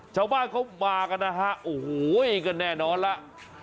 ชาวบ้านเขามากันนะฮะโอ้โหก็แน่นอนแล้ว